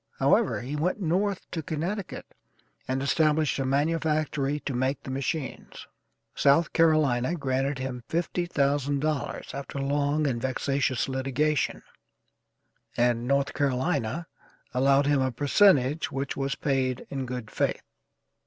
However, he went North to Connecticut and established a manufactory to make the machines. South Carolina granted him $50,000 after long and vexatious litigation, and North Carolina allowed him a percentage, which was paid in good faith.